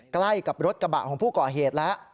ใกล้กับรถกระบะของผู้ก่อเหตุแล้ว